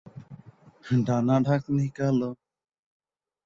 ডানা-ঢাকনি কালো।